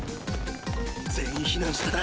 全員避難したな！